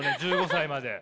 １５歳まで。